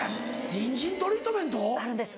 ニンジントリートメント？あるんです